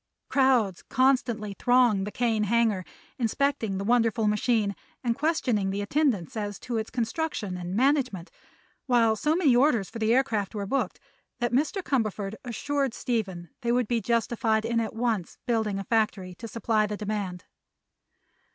Crowds constantly thronged the Kane hangar, inspecting the wonderful machine and questioning the attendants as to its construction and management, while so many orders for the aircraft were booked that Mr. Cumberford assured Stephen they would be justified in at once building a factory to supply the demand.